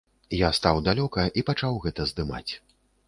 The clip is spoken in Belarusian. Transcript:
Я стаў далёка і пачаў гэта здымаць.